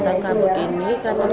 kan itu memang agak khawatir